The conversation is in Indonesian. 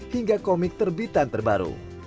hingga komik terbitan terbaru